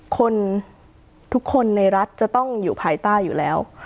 คนทุกคนในรัฐจะต้องอยู่ภายใต้อยู่แล้ว